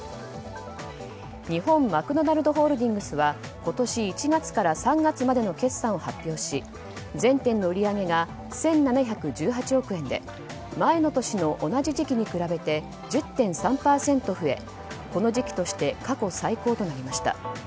日本マクドナルドホールディングスは今年１月から３月までの決算を発表し全店の売り上げが１７１８億円で前の年の同じ時期に比べて１０．３％増えこの時期として過去最高となりました。